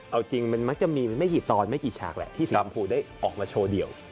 เอาจริงมันมักจะมีไม่กี่ตอนไม่กี่ฉากแหละที่สีชมพูได้ออกมาโชว์เดี่ยว